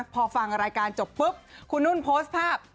พอฟังรายการจบปุ๊บคุณนุ่นโพสต์ภาพ